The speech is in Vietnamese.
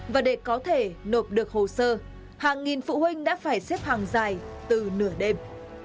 và để có thể nộp được hồ sơ hàng nghìn phụ huynh đã phải xếp hàng dài từ nửa đêm